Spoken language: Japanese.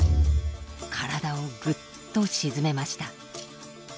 体をぐっと沈めました！